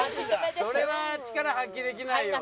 それは力発揮できないよ。